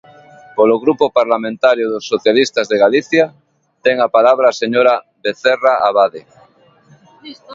Polo Grupo Parlamentario dos Socialistas de Galicia, ten a palabra a señora Vecerra Abade.